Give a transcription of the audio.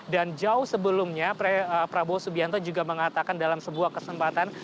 dan jauh sebelumnya prabowo subianto juga mengatakan dalam sebuah kesempatan